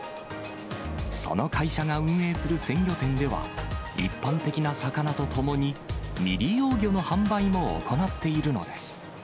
その会社が運営する鮮魚店では、一般的な魚とともに、未利用魚の販売も行っているのです。